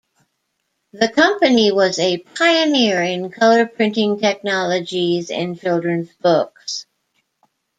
The company was a pioneer in color printing technologies in children's books.